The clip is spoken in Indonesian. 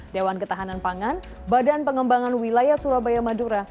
dewan ketahanan pangan badan pengembangan wilayah surabaya madura